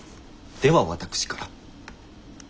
では私から。